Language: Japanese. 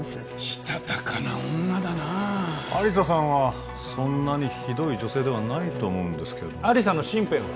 したたかな女だな亜理紗さんはそんなにひどい女性ではないと思うんですけど亜理紗の身辺は？